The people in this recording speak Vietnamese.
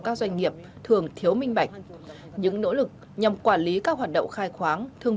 các doanh nghiệp thường thiếu minh bạch những nỗ lực nhằm quản lý các hoạt động khai khoáng thương